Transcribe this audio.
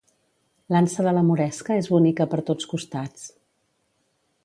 L'ansa de la Moresca és bonica per tots costats